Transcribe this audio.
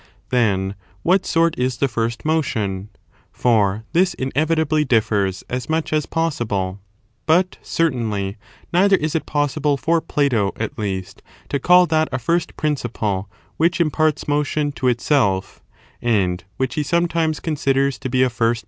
Then, what sort is the first nK>tiont for this really Msu^ inevitably differs as much as possible. But, In w^*^ ^ certainly, neither is it possible for Plato, at least, to call that a first principle which imparts motion to itself and which he sometimes considers to be a BiBt.